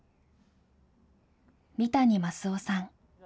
三谷益男さん。